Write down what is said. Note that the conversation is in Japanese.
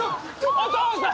お父さん！